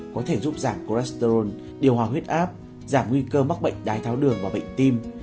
có thể giúp giảm cholesterol điều hòa huyết áp giảm nguy cơ mắc bệnh đái tháo đường và bệnh tim